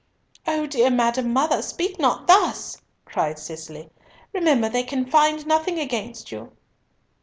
"O dear madam mother, speak not thus," cried Cicely. "Remember they can find nothing against you."